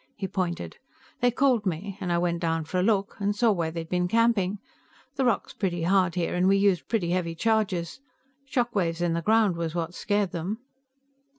He pointed. "They called me, and I went down for a look, and saw where they'd been camping. The rock's pretty hard here, and we used pretty heavy charges. Shock waves in the ground was what scared them."